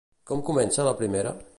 Com comença la primera?